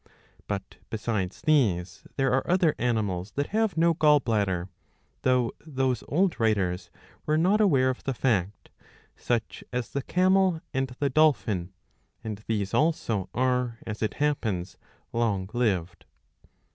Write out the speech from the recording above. But besides these there are other animals that have no gall bladder, though those old writers were not aware of the fact, such as the carriel and the dolphin ;^''^ and these also are, as it happens, long lived.